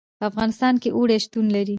په افغانستان کې اوړي شتون لري.